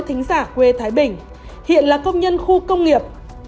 thính giả quê thái bình hiện là công nhân khu công nghiệp